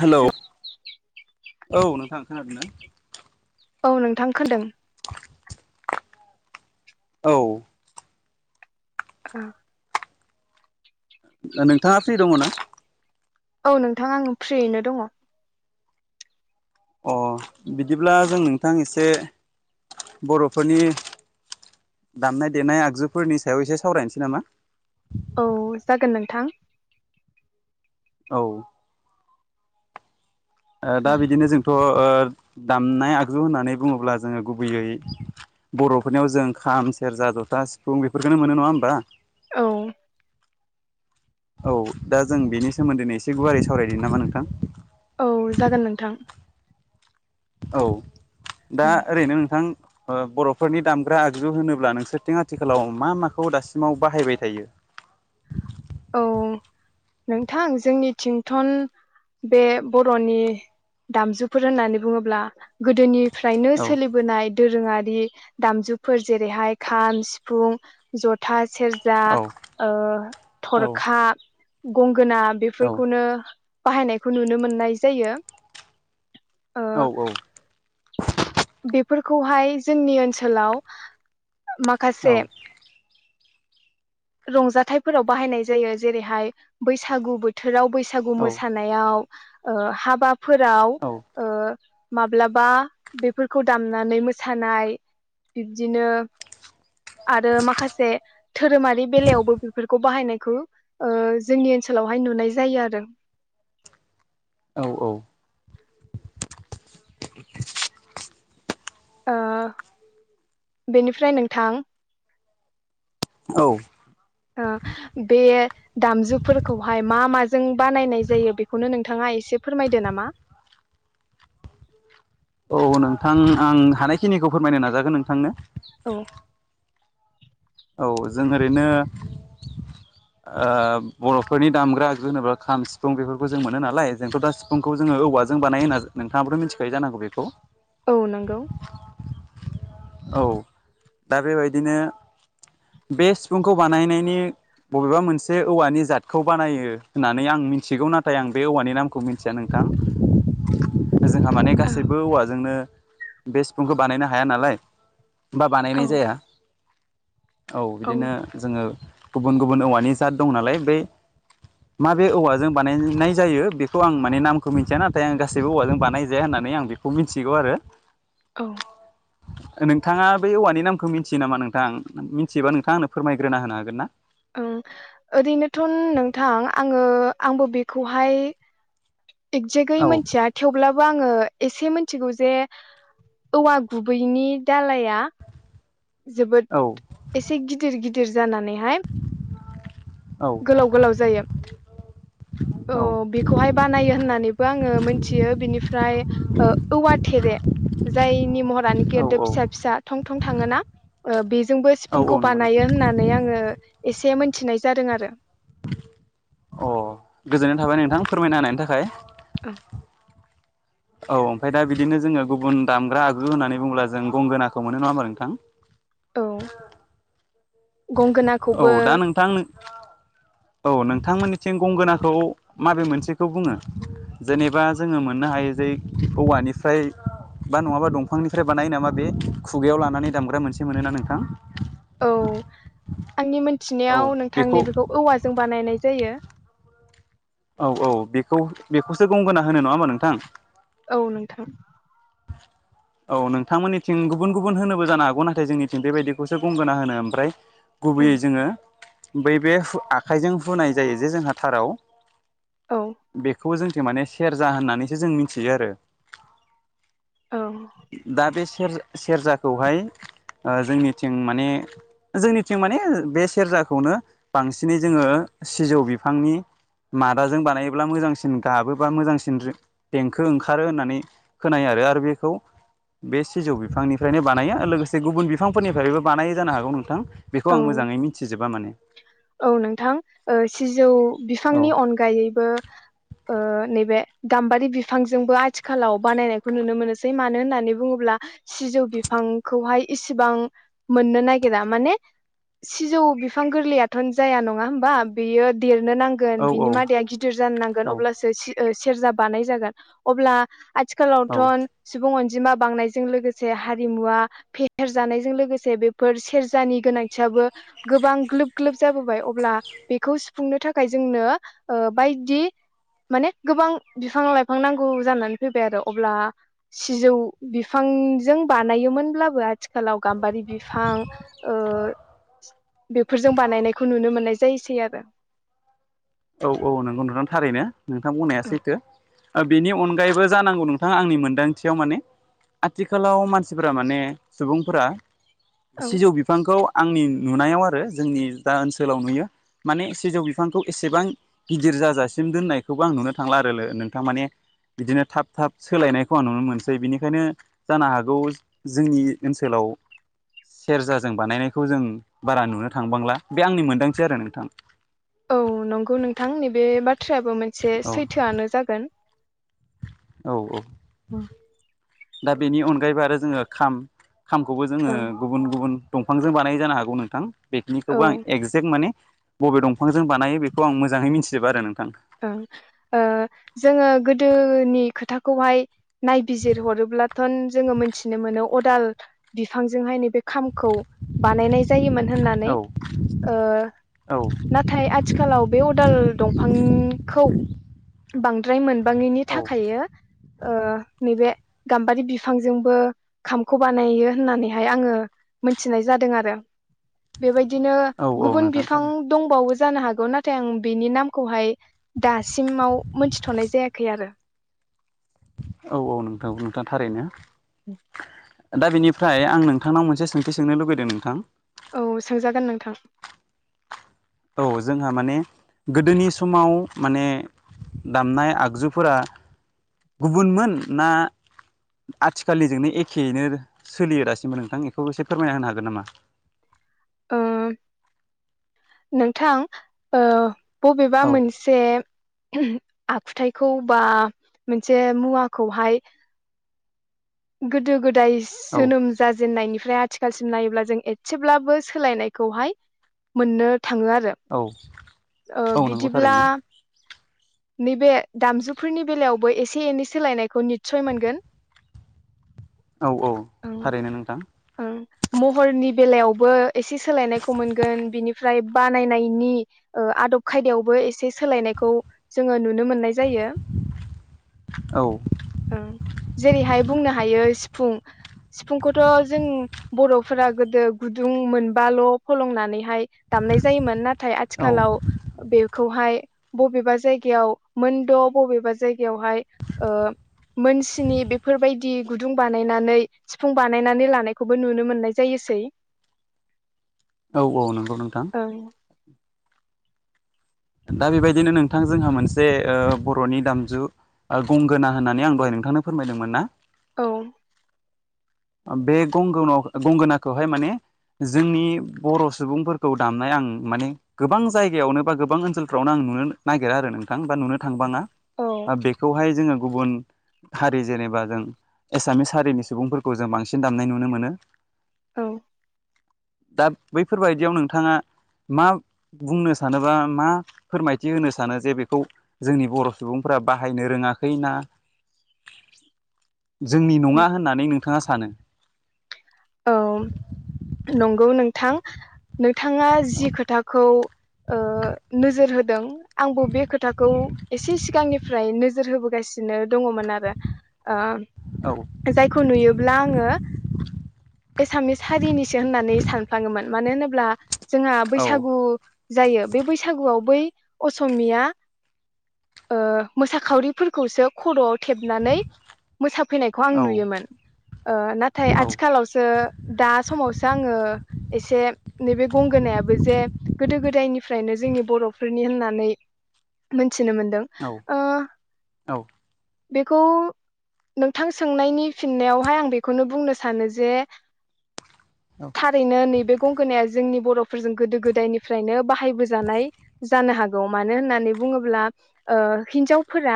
Hello औ नोंथां खोनादोंना औ नोंथां खोनादों औ दा नोंथाङा फ्रि दङ ना औ नोंथां आं फ्रियैनो दङ अ बिदिब्ला जों नोंथां एसे बर'फोरनि दामनाय देनाय आगजुफोरनि सायाव एसे सावरायनोसै नामा औ जागोन नोंथां औ ओ दा बिदिनो जोंथ' ओ दामनाय आगजु होननानै बुङोब्ला जोङो गुबैयै बर'फोरनियाव जों खाम सेरजा जथा सिफुं बेफोरखौनो मोनो नङा होमबा औ औ दा जों बेनि सोमोन्दैनोै एसे गुवारै सावरायनो नामा नोंथां औ जागोन नोंथां औ दा ओरैनो नोंथां ओ बर'फोरनि दामग्रा आगजु होनोब्ला नोंसोरथिं आथिखालाव मा माखौ दासिमाव बाहायबाय थायो [inaudible] औ नोंथां जोंनि थिंथन बे बर'नि दामजुफोर होननानै बुङोब्ला गोदोनिफ्रायनो औ सोलिबोनाय दोरोङारि दामजुफोर जेरैहाय खाम सिफुं जथा सेरजा औ ओ औ थरखा गं- गोना औ बेफोरखौनो बाहायनायखौ नुनो मोननाय जायो ओ औ औ फोरखौहाय जोंनि ओनसोलाव माखासे रंजाथाइफोराव बाहायनाय जायो जेरैहाय बैसागु बोथो- राव बैसागु मोसानायाव ओ हाबाफोराव औ ओ माब्लाबा बेफोरखौ दामनानै मोसानाय बिब्दिनो आरो माखासे धोरोमारि बेलायावबो बेफोरखौ बाहायनायखौ ओ जोंनि ओनसोलावहाय नुनाय जायो आरो [inaudible] औ औ ओ बेनिफ्राय नोंथां औ ओ बे दामजुफोरखौहाय मा माजों बानायनाय जायो बेखौनो नोंथाङा एसे फोरमायदो नामा [inaudible] औ हो नोंथांनो औ औ जों ओरैनो ओ बर'फोरनि दामग्रा आगु होनोब्ला खाम सिफुं बेफोरखौ जों मोनो नालाय जोंथ' दा सिफुंखौ जोङो औवा- जों बानायो होना नोंथांआथ मिथियो जांनांगौ बेखौ औ नंगौ औ दा बेबायदिनो बे सिफुंखौ बानायनायनि बबेबा मोनसे औवानि जादखौ बानायो होननानै आं मिथिगौ नाथाय आं बे औवानि नामखौ मिन्थिया नोंथां [inaudible] जोंहा माने औ गासैबो औवाजोंनो बे सिफुंखौ बानायनो हाया नालाय बा बानायनाय औ जाया औ बिदिनो जोङो गुबुन गुबुन औवानि जात दं नालाय बै । मााबे औवाजों बानायनाय जायो बेखौ आं माने नामखौ मिन्थिया नाथाय आं गासैबो औवाजों बानायजाया होनना नानै आं बेखौ मिथिगौ आरो । औ । नोंथाङा बे औवानि नामखौ मिथियो नामा नोंथां? मिथियोबा नोंथाङा आंनो फोरमायग्रोना होनो हागोन ना? ओ ओरैनोथ' नोंथां आङो आंबो बेखौहाय एगजेक्टयै औ मिथिया थेवब्लाबो आं आङो एसे मिथिगौ जे औवा गुबैनि दालाइआ जोबोद औ एसे गिदिर गिदिर जानानैहाय औ गोलाव गोलाव जायो औ बेखौहाय बानायो होननानैबो आङो मोनथियो बिनिफ्राय ओ औवा थेरे जायनि महर आनोखि एद' औ औ फिसा फिसा थं थं थाङोना ओ बे जोंबो औ औ सिफुंखौ नंगौ नोंथां बानायो होननानै आङो एसे मोनथिनाय जादों आरो । अ गोजोननाय थाबाय नोंथां फोरमायना हानायनि थाखाय । ओं । औ ओमफ्राय दा बिदिनो जोङो गुबुन दामग्रा आगु होननानै बुङोब्ला जों गंगोनाखौ मोनो नङा होमबा नोंथां? औ [unintelligible] औ गंगोनाखौबो दा नोंथां नों औ नोंथांमोननिथिं गंगोनाखौ माबे मोनसेखौ बुङो? जेनेबा जोङो मोननो हायो जे औवानिफ्राय बा नङाबा दंफांनिफ्राय बानायो नामा बे खुगायाव लानानै दामग्रा मोनसे मोनोना नोंथां । औ आंनि औ मोनथिनायाव नोंथां बेखौ नैबेखौ औवाजों बानायनाय जायो । बेयो औ औ बेखौ बेखौसो गंगोना होनो नङा होमबा नोंथां? औ नोंथां । [unintelligible] औ नोंथां मोननिथिं गुबुन गुबुन होनोबो जानो हागौ नाथाय जोंनिथिं बेबायदिखौसो गंगोना होनो ओमफ्राय ओं गुबैयै जोङो बै बे आखाइजों हुनाय जायो जे जोंहा थाराव औ । खौ जोंनिथिं माने सेरजा होन्नानैसो जों मिथियो आरो । औ । सेर सेरजाखौहाय ओ जोंनिथिं माने जोंनिथिं माने बे सेरजाखौनो बांसिनै जोङो सिजौ बिफांनि मादाजों बानायोब्ला मोजांसिन गाबो बा मोजांसिन देंखो ओंखारो होननानै खोनायो आरो आरो बेखौ बे सिजौ बिफांनिफ्रायनो बानायो लोगोसे गुबुन बिफां फोरनिफ्रायबो बानायो जानो हागौ नोंथां । औ औ नोंथां ओ सिजौ औ बिफांनि अनगायैबो ओ नैबे गाम्बारि बिफांजोंबो आथिखालाव बानायनायखौ नुनो मोनसै मानो होननानै बुङोब्ला सिजौ बिफां ओ खौहाय इसेबां मोननो नागिरा माने सिजौ बिफां गोरलैयाथ' जाया नङा होमबा? बेयो देर नों नांगोन औ बिनि मादाया गिदिर जानो नांगोन औ अब्लासो सेरजा बानाय जागोन अब्ला औ आथिखालावथ' सुबुं अन जिमा बांनायजों लोगोसे हारिमुवा फेहेर जानायजों लोगोसे बेफोर सेरजानि गोनांथियाबो गोबां ग्लोब ग्लोब जाबोबाय अब्ला बेखौ सुफुंनो थाखाय जोंनो ओ बायदि माने गोबां बिफां-लाइफां नांगौ जानानै फैबाय आरो अब्ला सिजौ बिफां जों बानायोमोनब्लाबो आथिखालाव गाम्बारि बिफां ओ बेफोरजों बानायनायखौ नुनो मोननाय जायोैसै आरो । औ औ नंगौ नोंथा थारैनो नोंथां बुंनाया सैथो । ओ बेनि अनगायैबो जानांगौ नोंथां आंनि मोनदांथियाव माने आथिखालाव मानसिफोरा माने सुबुंफोरा औ सिजौ बिफांखौ आंनि नुनायाव आरो जोंनि दा ओनसोलाव नुयो माने सिजौ बिफांखौ एसे एसेबां गिदिर जाजासिम दोननायखौबो आं नुनो थांला आरो नोंथां माने बिदिनो थाब थाब सोलायनायखौ आं नुनो मोनसै बिनिखायनो जानो हागौ जोंनि ओनसोलाव [unintelligible] सेरजाजों बानायनायखौ जों बारा नुनो थांबांला बे आंनि मोन्दांथि आरो नोंथां औ नंगौ नोंथां नैबे बाथ्रायाबो मोनसे औ सैथोआनो जागोन औ औ औ दा बेनि अनगायैबो आरो जोङो खाम खामखौबो जोङो औ गुबुन गुबुन दंफांजों बानाय जानो हागौ नोंथां बेखिनिखौबो आं ओं एगजेक्ट माने बबे दंफांजों बानायो बेखौ आं मोजाङै मिथिजोबा आरो नोंथां ओं ओ जोङो गोदोनि खोथाखौहाय नायबिजिर हरोब्लाथ' जोङो मिथिनो मोनो अदाल बिफांजोंहाय नैबे खामखौ बानायनाय जायोमोन औ होननानै ओ औ नाथाय आथिखालाव बे अदाल दंफां खौ बांद्राय मोनबाङैनि औ थाखायो ओ नैबे गाम्बारि बिफांजोंबो खामखौ बानायो होननानैहाय आङो मोनथिनाय जादों आरो बेबायदिनो औ औ गुबुन नोंथां बिफां थारै दंबावो जानो हागौ नाथाय आं बिनि नामखौहाय दासिमाव मोनथिथ'नाय जायाखै आरो औ औ नोंथां नोंथाङा थारैनो दा बेनिफ्राय आं नोंथांनाव मोनसे सोंथि सोंनो लुुबैदों नोंथां औ सोंजागोन नोंथां औ जोंहा माने गोदोनि समाव माने दामनाय आगजुफोरा गुबुनमोन ना आथिखालनिजोंनो एखेयैनो सोलियो दासिमबो नोंथां बेखौ एसे फोरमायना होनो हागोन नामा? ओ नोंथां ओ बबेबा औ मोनसे आखुथायखौ बा मोनसे मुवाखौहाय गोदो गोदाय औ जोनोम जाजेननायनि फ्राय आथिखालसिम नायोब्ला जों एसेब्लाबो सोलायनायखौहाय मोननो थाङो आरो औ ओ औ नंगौ बिदिब्ला थारैनो नैबे दामजुफोरनि बेलायावबो एसे एनै सोलायनायखौ निसय मोनगोन औ थारैनो नोंथां ओं महरनि बेलायाव बो एसे सोलायनायखौ मोनगोन बिनिफ्राय बानायनायनि ओ आदब खायदायावबो एसे सोलायनायखौ जोङो नुनो मोननाय जायो औ ओं जेरैहाय बुंनो हायो। सिफुं सिफुंखौथ' जों बर'फोरा गोदो गुदुं मोनबाल' फलंनानैहाय दामनाय जायोमोन नाथाय औ आथिखालाव बेखौहाय बबेबा जाय गायाव मोनद' बबेबा जायगायावहाय ओ मोनस्नि बेफोरबायदि गुदुं बानायनानै सिफुं बानायनानै लानायखौबो नुनो मोननाय जायो। सै औ औ नंगौ नोंथां ओं दा बेबायदिनो नोंथां जोंहा मोनसे ओ बर'नि दामजु ओ गंगोना होननानै आं दहाय नोंथांनो फोरमायदोंमोन ना औ बे गंग गंगोनाखौहाय माने जोंनि बर' सुबुंफोरखौ दामनाय आं माने गोबां जायगायावनो बा गोबां ओन सोलफ्रावनो आं नुनो नागिरा आरो नोंथां बा नुनो थांबाङा औ बेखौहाय जोङो गुबुन हारि जेनेबा जों एसामिस हारिनि सुबुंफोरखौ जों बांसिन दामनाय नुनो मोनो। औ दा बैफोरबायदियाव नोंथाङा मा बुंनो सानोबा मा फोरमायथि होनो सानो जे बेखौ जोंनि बर' सुबुंफ्रा बाहायनो रोङाखै ना जोंनि नङा होननानै नोंथाङा सानो? औ नंगौ नोंथां नोंथाङा जि खोथाखौ ओ नोजोर होदों आंबो बे खोथाखौ एसे सिगांनिफ्राय नोजोर होबोगासि नो दङमोन आरो ओ औ जायखौ नुयोब्ला आङो एसामिस हारिनिसो होननानै सानफ्लाङोमोन मानो होनोब्ला जोंहा औ बैसागु जायो बे बैसागुआव बै असमिया ओ मोसाखावरिफोरखौसो खर'आव थेबनानै मोसाफैनायखौ आं औ नुयोमोन ओ नाथाय आ सो दा समावसो आङो एसे नैबे गंगोनाबो जे गोदो गोदाय निफ्रायनो जोंनि बर'फोरनि होननानै मि थिनो मोनदों औ ओ औ बेखौ नोंथां सोंनायनि फिननायावहाय आं बेखौनो बुंनो सानो जे औ थारैनो नैबे गंगोनाया जोंनि बर'फोरजों गोदो गोदायनिफ्रायनो बाहायबोजानाय जानो हागौ मानो होननानै बुङोब्ला ओ हिनजावफोरा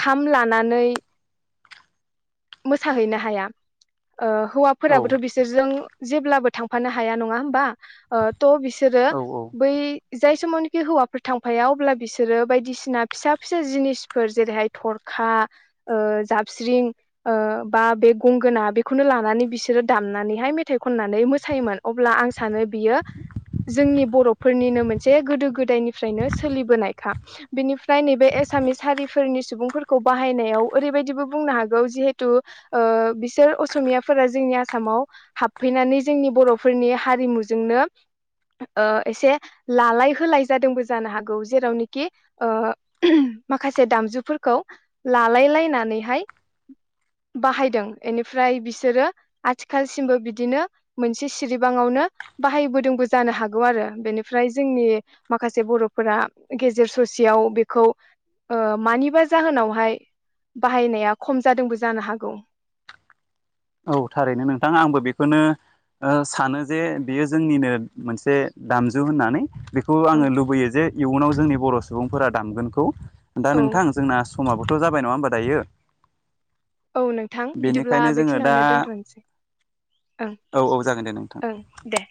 खाम लानानै मोसाहैनो हाया ओ औ हौवाफोराबोथ' बिसोरजों जेब्लाबो थांफानो हाया नङा होमबा ओ त' बिसोरो औ औ बै जाय समावनोखि हौवाफोर थांफाया अब्ला बिसोरो बायदिसिना फिसा फिसा जिनिसफोर जेरैहाय थर खा ओ जाबस्रिं ओ बा बे गंगोना बेखौनो लानानै बिसोरो दामनानैहाय मेथाइ खननानै मोसायोमोन अब्ला आं सानो बियो जोंनि बर'फोरनिनो मोनसे गोदो गोदायनिफ्रायनो सोलिबोनायखा बेनिफ्राय नैबे ए सामिस हारिफोरनि सुबुंफोरखौ बाहायनायाव ओरैबायदिबो बुंनो हागौ जिहेतु ओ बिसोर अ समियाफोरा जोंनि आसामाव हाबफैनानै जोंनि बर'फोरनि हारिमुजोंनो ओ एसे लालाय होलाय जादोंबो जानो हागौ जेरावनोखि ओ माखासे दामजुफोरखौ लालाय लायनानैहाय बाहायदों इनि फ्राय बिसोरो आथिखालसिमबो बिदिनो मोनसे सिरिबाङावनो बाहायबोदोंबो जा नोहागौ आरो बेनिफ्राय जोंनि माखासे बर'फोरा गेजेर ससेयाव बेखौ ओ मानिबा जाहोनावहाय बाहायनाया खम जादोंबो जानो हागौ। औ थारैनो नोंथाङा आंबो बेखौनो ओ सानो जे बियो जोंनिनो मोनसे दामजु होननानै। बेखौ ओं आङो लुबैयो जे इयुनाव जोंनि बर' सुबुंफोरा दामगोनखौ दा औ नोंथां जोंना स समाबोथ' जाबाय नङा होमबा दायो। औ नोंथां बिदिब्ला बेनिखायनो जोङो बेखिना दा वनो दोनथ'नोसै ओं औ औ जागोन दे नोंथां ओं दे।